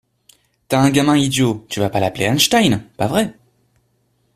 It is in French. T’as un gamin idiot, tu vas pas l’appeler Einstein, pas vrai?